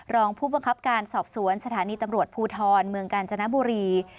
รองผู้บังคับการสอบสวนสถานีตำรวจภูทรเมืองกาญจนบุรี